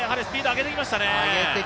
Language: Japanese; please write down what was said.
上げてきましたね。